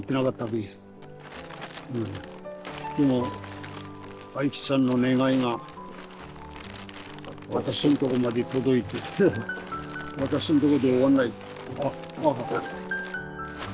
でも愛吉さんの願いが私のとこまで届いて私のとこで終わんない。